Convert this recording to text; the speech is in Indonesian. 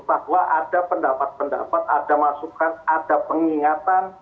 bahwa ada pendapat pendapat ada masukan ada pengingatan